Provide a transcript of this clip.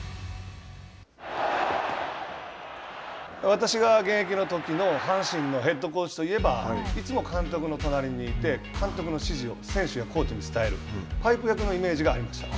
私が現役のときの阪神のヘッドコーチといえばいつも監督の隣にいて監督の指示を選手やコーチに伝えるパイプ役のイメージがありました。